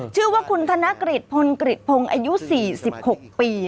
ชื่อว่าคุณธนกฤษพลกริจพงศ์อายุ๔๖ปี